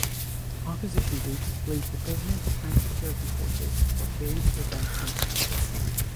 Opposition groups blamed the government and security forces for failing to prevent the incident.